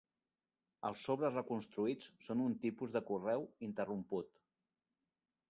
Els sobres reconstruïts són un tipus de correu interromput.